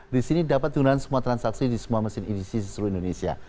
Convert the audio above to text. disini dapat tinggalan semua transaksi di semua mesin edc di seluruh indonesia